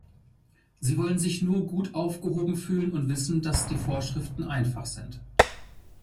Sie wollen sich nur gut aufgehoben fühlen und wissen, dass die Vorschriften einfach sind.